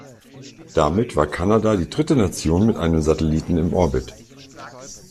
Damit war Kanada die dritte Nation mit einem Satelliten im Orbit.